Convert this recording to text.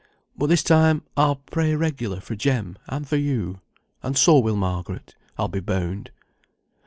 But this time I'll pray regular for Jem, and for you. And so will Margaret, I'll be bound.